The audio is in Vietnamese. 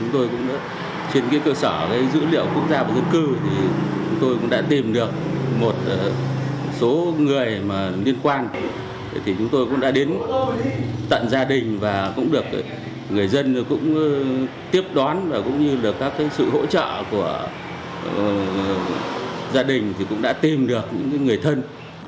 trên cơ sở dữ liệu quốc gia về dân cư tôi đã tìm được một số người liên quan chúng tôi cũng đã đến tận gia đình và cũng được người dân tiếp đón và cũng như được các sự hỗ trợ của gia đình cũng đã tìm được những người thân